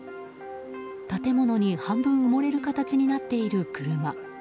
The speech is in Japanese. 建物に半分埋もれる形になっている車。